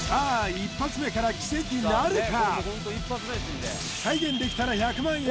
１発目から奇跡なるか？